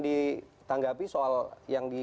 ditanggapi soal yang